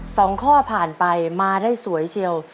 สองข้อผ่านไปมาได้สวยเชียว